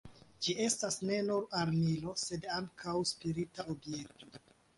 Ĝi estas ne nur armilo, sed ankaŭ spirita objekto.